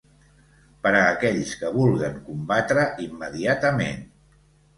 Per a aquells que vulguen combatre immediatament.